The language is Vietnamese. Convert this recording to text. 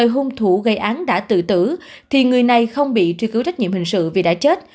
hung thủ gây án đã tự tử thì người này không bị truy cứu trách nhiệm hình sự vì đã chết